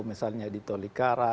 misalnya di tolikara